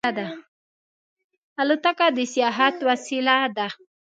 الوتکه د سیاحت وسیله ده.